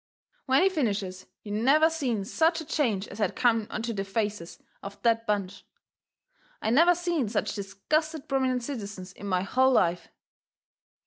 When he finishes you never seen such a change as had come onto the faces of that bunch. I never seen such disgusted prominent citizens in my hull life.